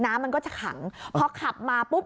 น้ำมันก็จะขังเพราะขับมาปุ๊บ